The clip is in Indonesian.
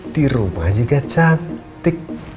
di rumah juga cantik